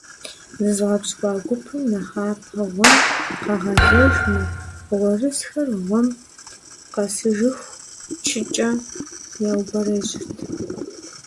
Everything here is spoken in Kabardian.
ЗызгъэпщкӀуа гупым нэхъапэ гъуэм къагъэзэжмэ, гъуэрысхэр гъуэм къэсыжыху чыкӀэ яубэрэжьырт.